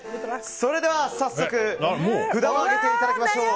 それでは早速札を上げていただきましょう。